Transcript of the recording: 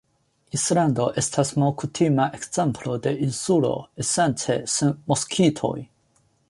Islando estas malkutima ekzemplo de insulo, esence sen moskitoj.